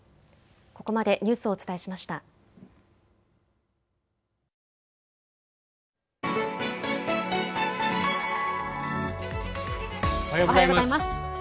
おはようございます。